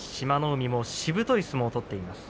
海はしぶとい相撲を取っています。